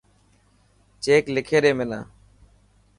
چيڪ لکي ڏي منا.